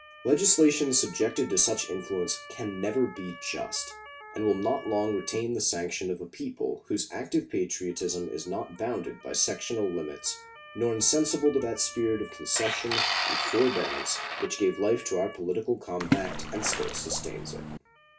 Legislation subjected to such influences can never be just, and will not long retain the sanction of a people whose active patriotism is not bounded by sectional limits nor insensible to that spirit of concession and forbearance which gave life to our political compact and still sustains it.